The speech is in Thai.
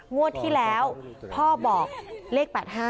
งวดที่แล้วพ่อบอกเลข๘๕